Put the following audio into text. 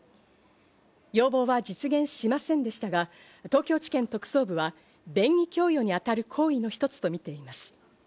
要望は実現しませんでしたが、東京地検特捜部は、便宜供与に当たる行為の一つとみています。